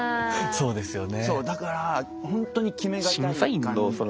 そうですよね。